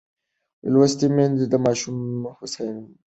لوستې میندې د ماشوم هوساینه ساتي.